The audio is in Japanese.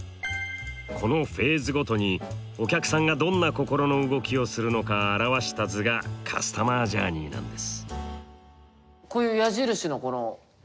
このフェーズごとにお客さんがどんな心の動きをするのか表した図がカスタマージャーニーなんです。